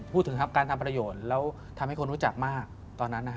พูดถึงครับการทำประโยชน์แล้วทำให้คนรู้จักมากตอนนั้น